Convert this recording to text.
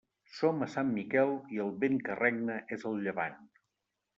Som a Sant Miquel i el vent que regna és el llevant.